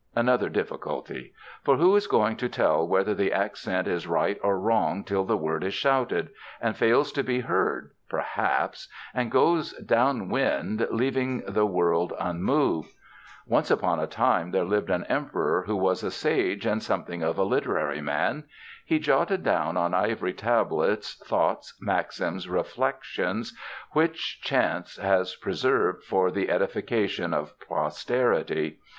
Another difficulty. For who is going to tell whether the accent is right or wrong till the word is shouted, and fails to be heard, perhaps, and goes down wind, leaving the world unmoved? Once upon a time there lived an emperor who was a sage and something of a literary man. He jotted down on ivory tablets thoughts, maxims, reflections which chance has preserved for the edification of posterity.